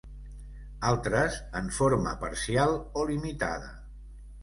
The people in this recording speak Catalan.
Altres en forma parcial o limitada.